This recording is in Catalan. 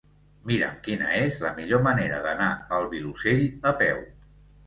Mira'm quina és la millor manera d'anar al Vilosell a peu.